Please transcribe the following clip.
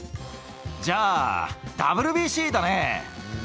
じゃあ、ＷＢＣだね。